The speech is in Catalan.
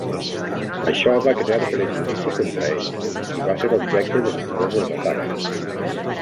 Això va crear prejudici contra ell, i va ser objecte de nombrosos atacs.